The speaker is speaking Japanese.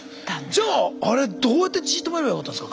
じゃああれどうやって血を止めればよかったんですか？